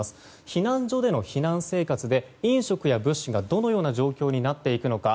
避難所での避難生活で飲食や物資がどのような状況になっていくのか。